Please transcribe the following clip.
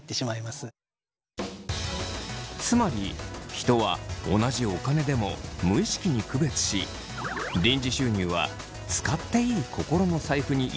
つまり人は同じお金でも無意識に区別し臨時収入は使っていい心の財布に入れてしまうそう。